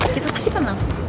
kita masih penang